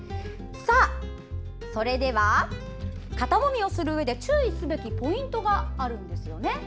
それでは、肩もみをするうえで注意すべきポイントがあるんですよね。